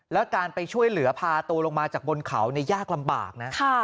แล้วการไปช่วยเหลือพาตัวลงมาจากบนเขายากลำบากนะ